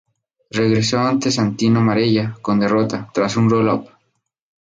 Regresó ante Santino Marella con derrota, tras un roll-up.